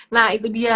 nah itu dia